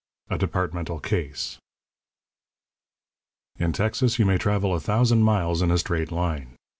XVI A DEPARTMENTAL CASE In Texas you may travel a thousand miles in a straight line.